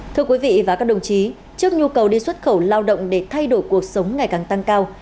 thưa quý vị và các đồng chí trước nhu cầu đi xuất khẩu lao động để thay đổi cuộc sống ngày càng tăng cao